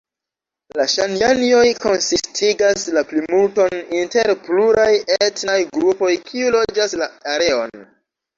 La Ŝanianjoj konsistigas la plimulton inter pluraj etnaj grupoj kiu loĝas la areon.